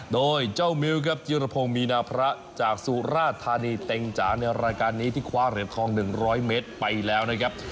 โดยเจ้ามิ้วครับจิรพงศ์มีนาพระจากสุราธานีเต็งจ๋าในรายการนี้ที่คว้าเหรียญทอง๑๐๐เมตรไปแล้วนะครับ